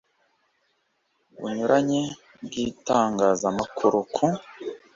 bunyuranye bw itangazamakuru ku